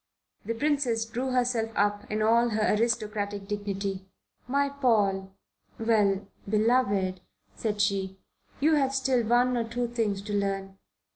The Princess drew herself up in all her aristocratic dignity. "My Paul well beloved," said she, "you have still one or two things to learn.